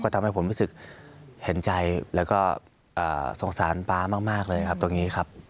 ทำให้ผมรู้สึกเห็นใจแล้วก็สงสารป๊ามากเลยครับตรงนี้ครับ